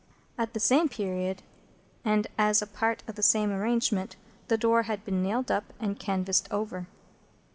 At the same period, and as a part of the same arrangement,—the door had been nailed up and canvased over.